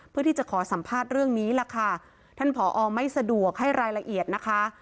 เพื่อที่จะขอสัมภาษณ์เรื่องนี้ล่ะค่ะท่านผอไม่สะดวกให้รายละเอียดนะคะ